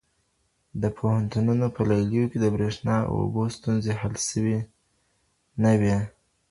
د پوهنتونونو په لیلیو کي د بریښنا او اوبو ستونزې حل سوي نه وي.